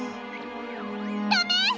ダメ！